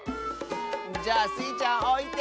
じゃあスイちゃんおいて！